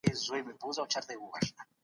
ولسي جرګه د خلګو د هيلو استازيتوب کوي.